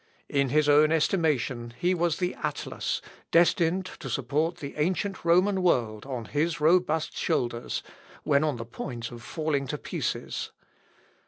In his own estimation he was the Atlas, destined to support the ancient Roman world on his robust shoulders, when on the point of falling to pieces.